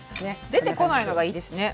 出てこないのがいいですね。